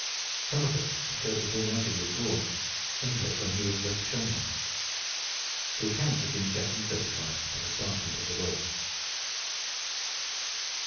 Some of it occurred before Nigel was born; some of it when he was but a child. The accounts had been checked and certified by the sergeant of the law.